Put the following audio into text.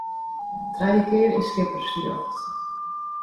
Trije kear is skippersrjocht.